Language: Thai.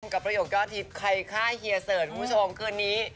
กับประโยคก็อาทิตย์ใครฆ่าเฮียเสิร์ตผู้ชมคืนนี้